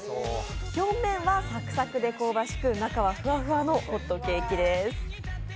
表面はサクサクで香ばしく、中はフワフワのホットケーキです。